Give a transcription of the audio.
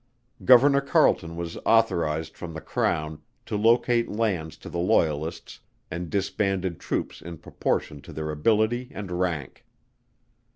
Governor CARLETON was authorized from the Crown to locate lands to the Loyalists and disbanded Troops in proportion to their ability and rank.